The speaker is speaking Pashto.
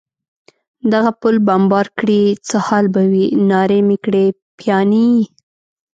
دغه پل بمبار کړي، څه حال به وي؟ نارې مې کړې: پیاني.